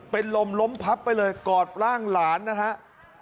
เป็นลมล้มพับไปเลยกอดร่างหลานนะครับ